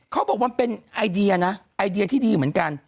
เขาบอกมันเป็นไอเดียนะไอเดียที่ดีเหมือนกัน